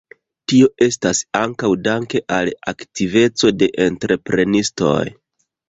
Tio estas ankaŭ dank al aktiveco de entreprenistoj.